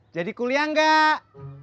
jadi kuliah gak